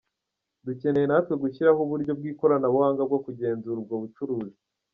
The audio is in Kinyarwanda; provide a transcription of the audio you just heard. Dukeneye natwe gushyiraho uburyo bw’ikoranabuhanga bwo kugenzura ubwo bucuruzi.